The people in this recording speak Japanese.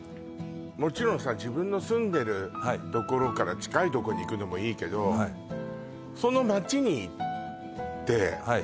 もちろんさ自分の住んでるところから近いとこに行くのもいいけどはいその町に行ってはい